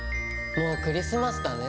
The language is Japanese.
もうクリスマスだね。ね！